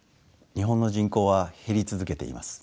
日本の人口は減り続けています。